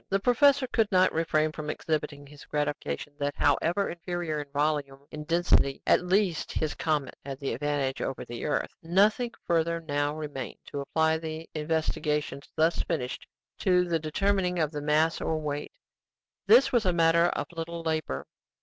The professor could not refrain from exhibiting his gratification that, however inferior in volume, in density, at least, his comet had the advantage over the earth. Nothing further now remained than to apply the investigations thus finished to the determining of the mass or weight. This was a matter of little labor.